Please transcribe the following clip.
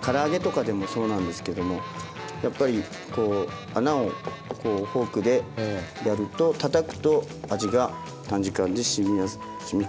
から揚げとかでもそうなんですけどもやっぱりこう穴をフォークでやるとたたくと味が短時間でしみこみやすいということなので。